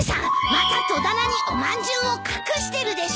また戸棚におまんじゅうを隠してるでしょ。